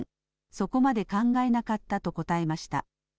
そこまで考えなかったと答えました。